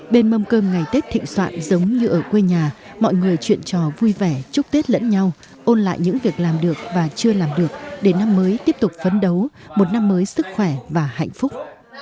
bên mâm cơm ngày tết thịnh soạn giống như ở quê nhà mọi người chuyện trò vui vẻ chúc tết lẫn nhau ôn lại những việc làm được và chưa làm được để năm mới tiếp tục phấn đấu một năm mới sức khỏe và hạnh phúc